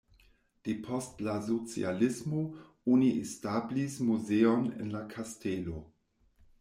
Depost la socialismo oni establis muzeon en la kastelo.